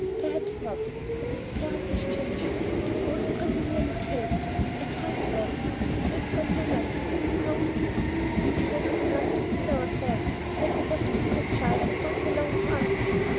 "Perhaps not. But if Paris has changed me, it's also pretty near killed me. I can't work now. We've got no money. The cow's sold. When we haven't enough to feed ourselves, have we got to feed a child that don't belong to us?"